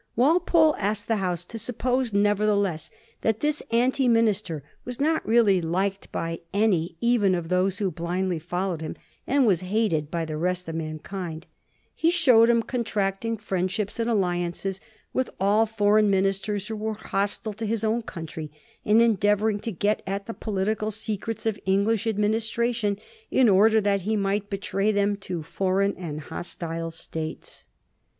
'* Walpole asked the House to suppose, nevertheless, that this anti minister was not really liked by any even of those who blindly followed him, and was hated by the rest of mankind. He showed him contracting friendships and alliances with all foreign ministers who were hostile to his own country, and endeavoring to get at the political se» crets of English administrations in order that he might betray them to foreign and hostile States.